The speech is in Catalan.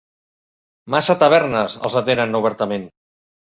Massa tavernes els atenen obertament.